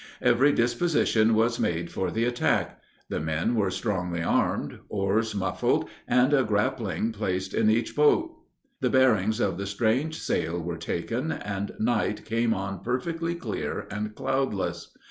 Every disposition was made for the attack. The men were strongly armed, oars muffled, and a grappling placed in each boat. The bearings of the strange sail were taken, and night came on perfectly clear and cloudless.